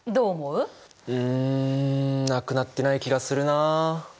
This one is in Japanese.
うんなくなってない気がするな。